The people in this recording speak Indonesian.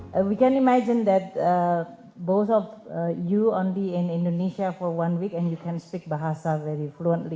kita bisa bayangkan bahwa kamu hanya di indonesia untuk satu minggu dan bisa berbicara bahasa dengan sangat fluensi